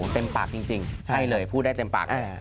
เต็มปากจริงพูดได้เต็มปากเลย